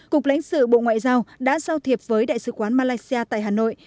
cục lãnh sự bộ ngoại giao đã giao thiệp với đại sứ quán malaysia tại hà nội